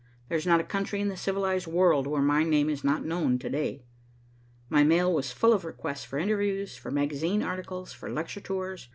There's not a country in the civilized world where my name is not known to day." My mail was full of requests for interviews, for magazine articles, for lecture tours.